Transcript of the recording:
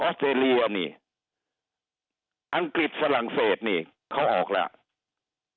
ออสเตรเลียอังกฤษสลังเศษเขาออกแล้ว